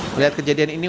melihat kejadian ini